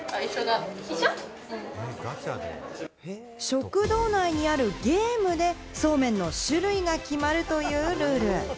食堂内にあるゲームで、そうめんの種類が決まるというルール。